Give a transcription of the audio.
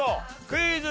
クイズ。